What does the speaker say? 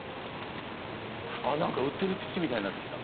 あっ何か売ってる土みたいになってきた。